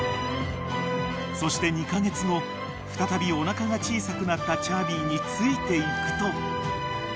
［そして２カ月後再びおなかが小さくなったちゃーびーについていくと］